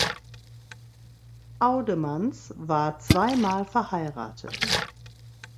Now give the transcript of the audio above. Oudemans war zwei Mal verheiratet.